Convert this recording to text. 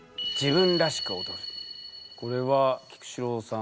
これは菊紫郎さん。